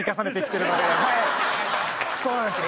そうなんですよ。